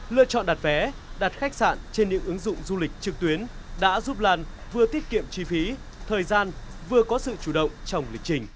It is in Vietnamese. lựa chọn đặt vé đặt khách sạn trên những ứng dụng du lịch trực tuyến đã giúp lan vừa tiết kiệm chi phí thời gian vừa có sự chủ động trong lịch trình